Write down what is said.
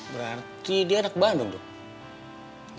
berarti dia anak bandung tuh